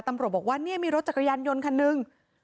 ตำรวจบอกว่าเนี่ยมีรถจักรยานยนต์คันหนึ่ง